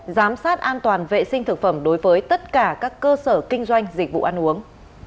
giám sát an toàn vệ sinh thực phẩm đối với tất cả các cơ sở kinh doanh dịch vụ ăn uống